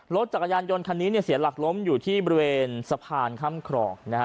รถจักรยานยนต์คันนี้เนี่ยเสียหลักล้มอยู่ที่บริเวณสะพานค่ำครองนะฮะ